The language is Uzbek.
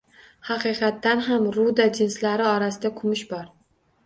Haqiqatan ham, ruda jinslari orasida kumush bor.